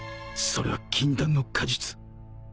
それは禁断の果実